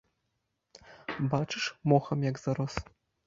Бачыш, мохам як зарос.